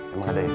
emang ada ya